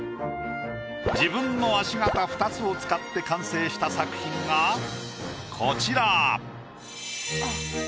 自分の足形２つを使って完成した作品がこちら。